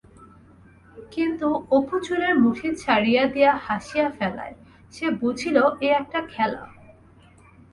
কিন্তু অপু চুলের মুঠি ছাড়িয়া দিয়া হাসিয়া ফেলায়, সে বুঝিল এ একটা খেলা।